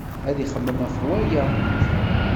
Ad ixemmem ɣef waya.